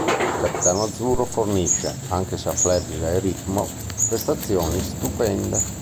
Il Capitano Azzurro fornisce, anche se a flebile ritmo, prestazioni stupende".